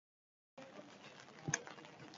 Halaber, izen bera duen eskualdeko herri nagusia da.